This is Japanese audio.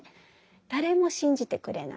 誰も信じてくれない。